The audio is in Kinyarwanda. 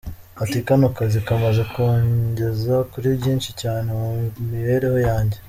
Ati “Kano kazi kamaze kungeza kuri byinshi cyane mu mibereho yanjye.